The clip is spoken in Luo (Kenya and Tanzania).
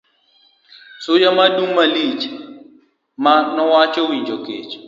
Suya madum malich ma wachako winjo kech